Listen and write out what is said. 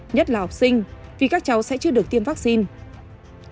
nhất là học sinh vì các cháu sẽ chưa được tiêm vaccine